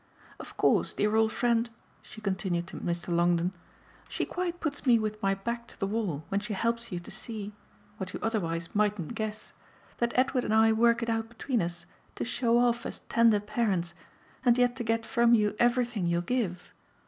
"Of course, dear old friend," she continued to Mr. Longdon, "she quite puts me with my back to the wall when she helps you to see what you otherwise mightn't guess that Edward and I work it out between us to show off as tender parents and yet to get from you everything you'll give.